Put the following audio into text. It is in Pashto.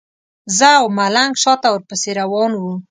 زه او ملنګ شاته ورپسې روان وو.